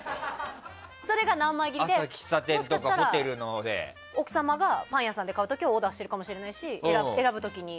それが何枚切りでもしかしたら奥様がパン屋さんで買う時にオーダーしてるかもしれないし選ぶ時に。